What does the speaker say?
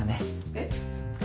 えっ？